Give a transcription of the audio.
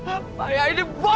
apa ya ini busuk